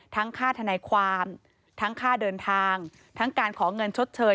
ค่าธนายความทั้งค่าเดินทางทั้งการขอเงินชดเชย